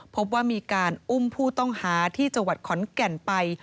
ผู้ต้องหาที่จังหวัดขอนแก่นไป